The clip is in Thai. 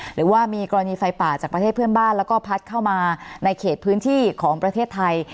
หรือว่ามีกรณีไฟป่าจากประเทศเพื่อนบ้านแล้วก็พัดเข้ามาในเขตพื้นที่ของประเทศไทย